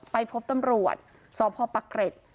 ไปพบตำรวจสพปะเกร็ด